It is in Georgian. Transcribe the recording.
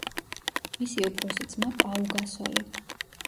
მისი უფროსი ძმა პაუ გასოლი.